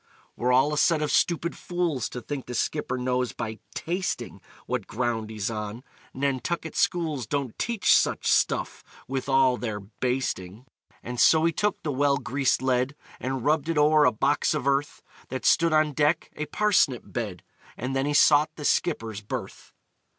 "We're all a set of stupid fools To think the skipper knows by tasting What ground he's on Nantucket schools Don't teach such stuff, with all their basting!" And so he took the well greased lead And rubbed it o'er a box of earth That stood on deck a parsnip bed And then he sought the skipper's berth.